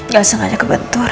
ga sengaja ke bentur